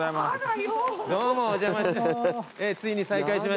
どうもお邪魔して。